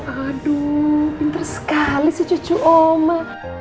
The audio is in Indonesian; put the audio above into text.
aduh pinter sekali sih cucu oma